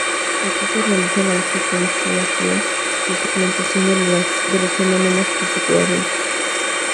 Aquí se realiza la secuenciación y segmentación de los fonemas y su coherencia.